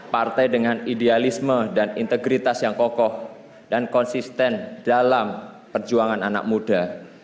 partai dengan idealisme dan integritas yang kokoh dan konsisten dalam perjuangan anak muda